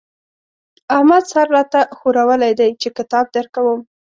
احمد سر را ته ښورولی دی چې کتاب درکوم.